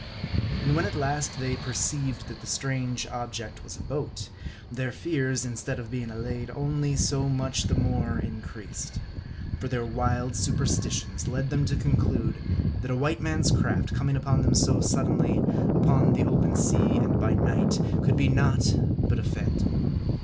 And when at last they perceived that the strange object was a boat, their fears, instead of being allayed, only so much the more increased. For their wild superstitions led M A R D I. 105 them to conclude, that a white man's craft coming upon them so suddenly, upon the open sea, and by night, could be naught but a phantom.